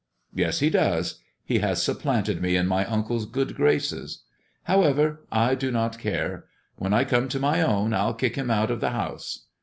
"Yes, he does. He has supplanted me in my uncle's good graces. However, I do not care. When I come to my own I'll kick him out of the house."